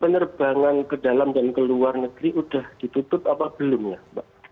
penerbangan ke dalam dan ke luar negeri sudah ditutup apa belum ya mbak